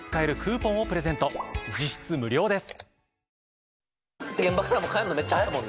実質無料です。